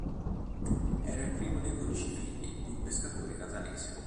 Era il primo dei dodici figli di un pescatore catanese.